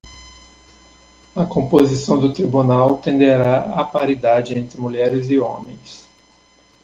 A composição do tribunal tenderá à paridade entre mulheres e homens.